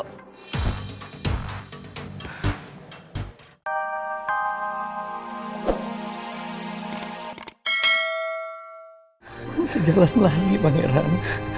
aku bisa jalan lagi bang heran